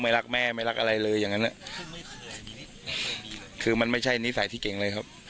รักแม่ไม่รักอะไรเลยอย่างนั้นคือมันไม่ใช่นิสัยที่เก่งเลยครับ